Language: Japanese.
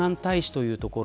というところ。